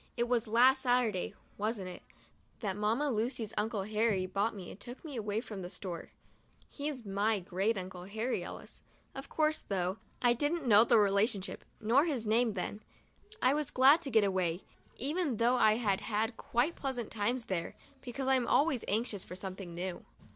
It was last Saturday, wasn't it, that Mamma Lucy's Uncle Harry bought me and took me away from the store? He's my Great Uncle Harry Ellis, of course — though I didn't know the relationship, nor his name, then. I was glad to get away, even though I had had quite pleasant times there, because I'm always anxious for something new.